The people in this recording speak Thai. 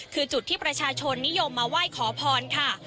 คือจุดที่ประชาชนนิยมมาไหว้ขอพรค่ะ